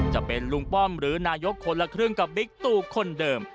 จะเป็นลุงป้อมหรือนายกคนละครึ่งกับบิ๊กตูคนเดิม